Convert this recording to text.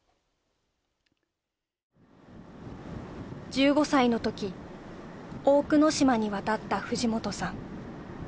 １５歳の時大久野島に渡った藤本さん